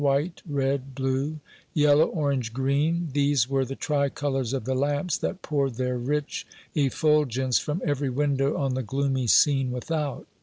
White, red, blue yellow, orange, green these were the tri colors of the lamps that poured their rich effulgence from every window on the gloomy scene without.